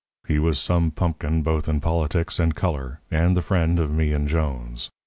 He was some pumpkin both in politics and colour, and the friend of me and Jones.